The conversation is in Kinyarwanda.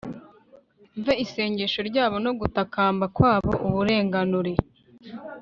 mve isengesho ryabo no gutakamba kwabo ubarenganure